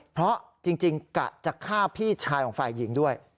เพราะจริงกะจะฆ่าพี่ชายของฝ่ายหญิงด้วย